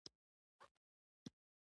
که کار په وخت وشي، نو اندېښنه به کمه شي.